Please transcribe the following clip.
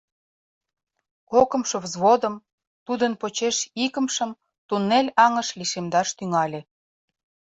Кокымшо взводым, тудын почеш икымшым туннель аҥыш лишемдаш тӱҥале.